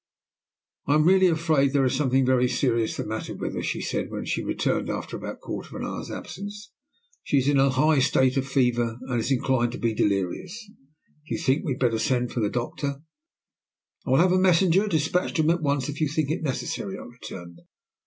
"I am really afraid that there is something very serious the matter with her," she said, when she returned after about a quarter of an hour's absence. "She is in a high state of fever, and is inclined to be delirious. Don't you think we had better send for the doctor?" "I will have a messenger despatched to him at once if you think it necessary," I returned.